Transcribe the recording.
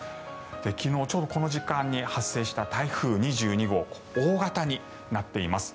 昨日、ちょうどこの時間に発生した台風２２号大型になっています。